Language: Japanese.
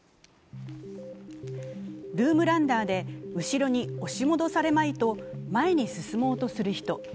ルームランナーで後ろに押し戻されまいと前に進もうとする人。